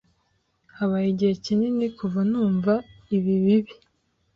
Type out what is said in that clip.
Habaye igihe kinini kuva numva ibi bibi.